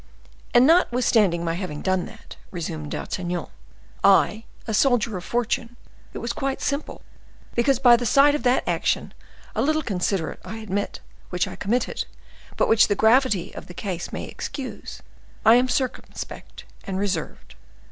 "And, notwithstanding my having done that," resumed D'Artagnan, "I, a soldier of fortune, it was quite simple, because by the side of that action, a little inconsiderate I admit, which I committed, but which the gravity of the case may excuse, I am circumspect and reserved."